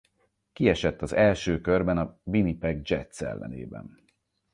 Kiesett az első körben a Winnipeg Jets ellenében.